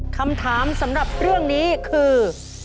คำถามสำหรับเรื่องนี้คือ